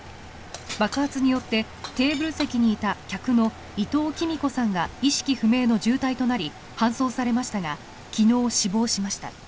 爆発によってテーブル席にいた客の伊藤キミ子さんが意識不明の重体となり搬送されましたが昨日、死亡しました。